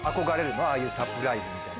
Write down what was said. ああいうサプライズみたいな。